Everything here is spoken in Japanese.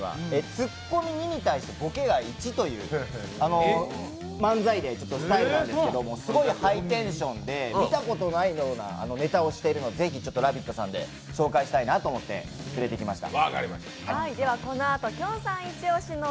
ツッコミ２に対してボケが１という漫才スタイルなんですけどもすごいハイテンションで見たことないようなネタをしているのでぜひ「ラヴィット！」さんで紹介したいなと思って連れてきました。